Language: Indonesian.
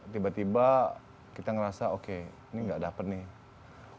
tiba tiba kita merasa oke ini tidak dapat nih